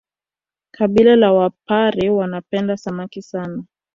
Kabila la wapare wanapenda Samaki sana